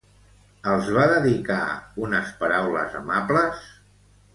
Els va dedicar unes paraules amables?